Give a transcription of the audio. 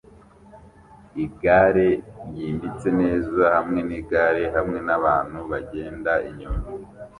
igare ryimbitse neza hamwe nigare hamwe nabantu bagenda inyuma